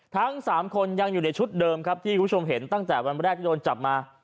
ทั้ง๓คนยังอยู่ในชุดเดิมครับที่คุณผู้ชมเห็นตั้งแต่วันแรกที่โดนจับมา